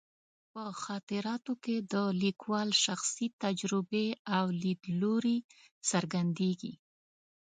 په خاطراتو کې د لیکوال شخصي تجربې او لیدلوري څرګندېږي.